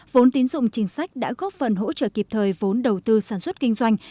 vốn tín dụng chính sách đã góp phần hỗ trợ kịp thời vốn đầu tư sản xuất kinh doanh